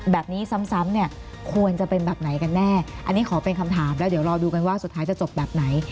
แบบนี้ซ้ำเนี่ยควรจะเป็นแบบไหนกันแน่อันนี้ขอเป็นคำถามแล้วเดี๋ยวรอดูกันว่าสุดท้ายจะจบแบบไหน